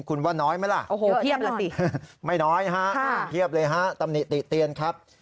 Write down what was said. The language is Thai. คุณว่าน้อยไหมล่ะไม่น้อยฮะเปรียบเลยฮะตำนีติเตียนครับ